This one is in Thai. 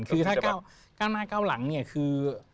คือถ้าก้าวหน้าก้าวหลังเนี่ยคือ